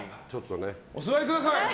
お座りください。